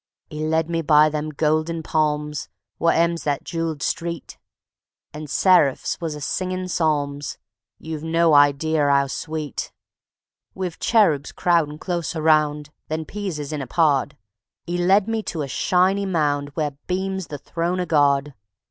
'E led me by them golden palms Wot 'ems that jeweled street; And seraphs was a singin' psalms, You've no ideer 'ow sweet; Wiv cheroobs crowdin' closer round Than peas is in a pod, 'E led me to a shiny mound Where beams the throne o' God.